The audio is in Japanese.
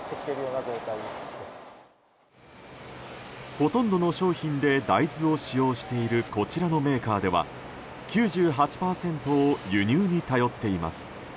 ほとんどの商品で大豆を使用しているこちらのメーカーでは９８％を輸入に頼っています。